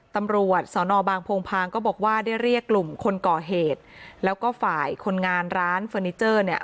ตำรวจสอนอบางโพงพางก็บอกว่าได้เรียกกลุ่มคนก่อเหตุแล้วก็ฝ่ายคนงานร้านเฟอร์นิเจอร์เนี่ย